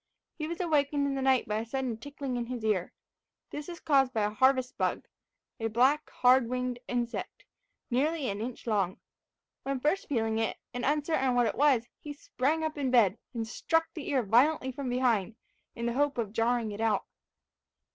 He was awakened in the night by a sudden tickling in his ear. This was caused by a harvest bug a black hard winged insect, nearly an inch long. When first feeling it, and uncertain what it was, he sprang up in bed, and struck the ear violently from behind, in the hope of jarring it out.